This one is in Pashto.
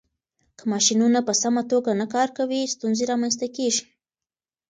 که ماشينونه په سمه توګه نه کار کوي، ستونزې رامنځته کېږي.